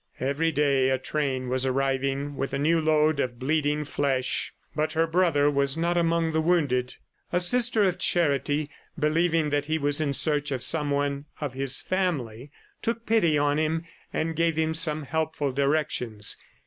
Every day a train was arriving with a new load of bleeding flesh, but her brother was not among the wounded. A Sister of Charity, believing that he was in search of someone of his family, took pity on him and gave him some helpful directions.